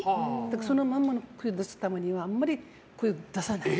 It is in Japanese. そのままの声を出すためにはあんまり声を出さない。